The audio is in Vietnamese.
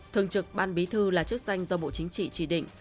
thường trực ban bí thư là chức danh do bộ chính trị chỉ định